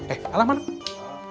eh salah mana